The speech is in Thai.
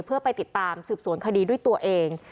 เพื่อไปติดตามสืบสวนคดีด้วยตัวเอง